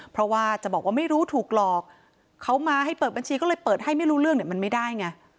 เพราะว่าจะบอกว่าไม่รู้ถูกหลอกเขามาให้เปิดบัญชีก็เลยเปิดให้ไม่รู้เรื่องเนี่ยมันไม่ได้ไง